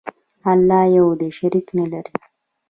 الله یو دی، شریک نه لري.